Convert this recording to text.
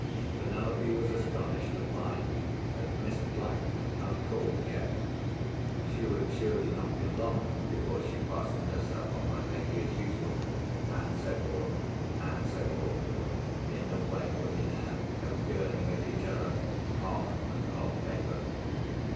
Penelope was astonished to find that Miss Clack had not called yet. She would surely not be long before she fastened herself on my lady as usual—and so forth, and so forth, in the way women have of girding at each other, on and off paper.